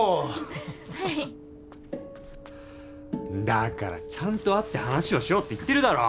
だからちゃんと会って話をしようって言ってるだろ。